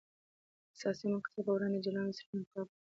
حساسې مقطعې په وړاندې جلا مسیرونه انتخاب کړل.